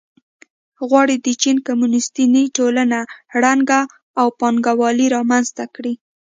غواړي د چین کمونېستي ټولنه ړنګه او پانګوالي رامنځته کړي.